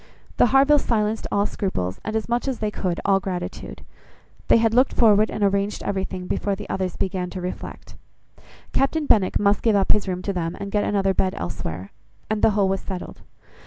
The Harvilles silenced all scruples; and, as much as they could, all gratitude. They had looked forward and arranged everything before the others began to reflect. Captain Benwick must give up his room to them, and get another bed elsewhere; and the whole was settled.